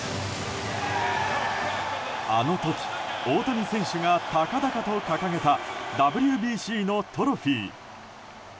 あの時、大谷選手が高々と掲げたＷＢＣのトロフィー。